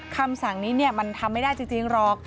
คำสั่งนี้มันทำไม่ได้จริงหรอก